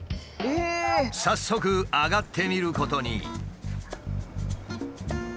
早速上がってみることに。